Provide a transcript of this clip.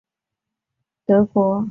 而德国杯则需要从第一轮开始角逐。